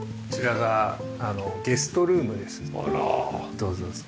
どうぞどうぞ。